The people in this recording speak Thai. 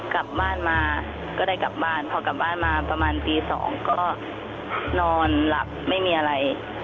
กลับบ้านมาก็ได้กลับบ้านพอกลับบ้านมาประมาณตี๒ก็นอนหลับไม่มีอะไร